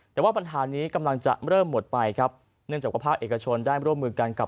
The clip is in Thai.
แต่ว่าปัญหานี้กำลังจะเริ่มหมดไปครับเนื่องจากว่าภาคเอกชนได้ร่วมมือกันกับ